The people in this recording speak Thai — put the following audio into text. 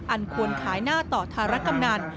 อันควรขายหน้าต่อธารกำนัน